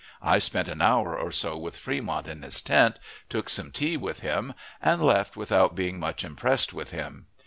I spent an hour or so with Fremont in his tent, took some tea with him, and left, without being much impressed with him.